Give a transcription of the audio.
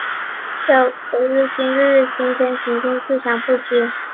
要苟日新，日日新。要天行健，自强不息。